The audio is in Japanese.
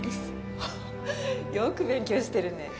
よく勉強してるね。